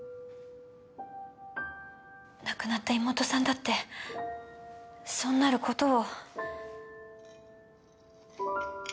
亡くなった妹さんだってそうなる事を。